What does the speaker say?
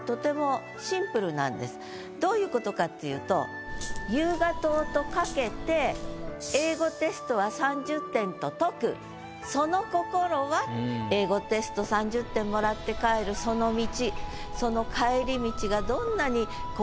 どういう事かっていうとその心は英語テスト三十点もらって帰るその道